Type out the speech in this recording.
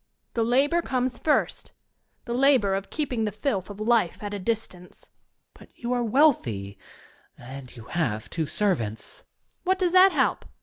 The labour comes first — ^the labour of keeping the filth of life at a distance. Student. But you are wealthy, and you have two servants ? Young Lady. What does that help?